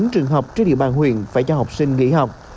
hai mươi chín trường học trên địa bàn huyện phải cho học sinh nghỉ học